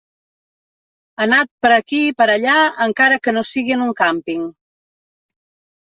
Anat per aquí per allà, encara que no sigui en un càmping.